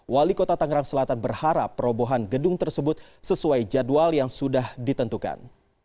wali kota tangerang selatan berharap perobohan gedung tersebut sesuai jadwal yang sudah ditentukan